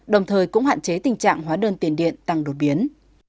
đồng thời cũng hạn chế tình trạng hóa đơn tiền điện tăng đột biến